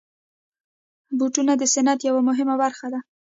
بوټونه د صنعت یوه مهمه برخه ده.